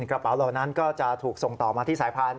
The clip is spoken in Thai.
กระเป๋าเหล่านั้นก็จะถูกส่งต่อมาที่สายพันธุ